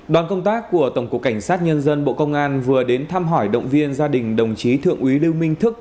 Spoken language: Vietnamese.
đoàn công tác của tổng cục cảnh sát nhân dân bộ công an vừa đến thăm hỏi động viên gia đình đồng chí thượng úy lưu minh thức